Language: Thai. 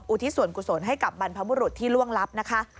ทิศส่วนกุศลให้กับบรรพบุรุษที่ล่วงลับนะคะ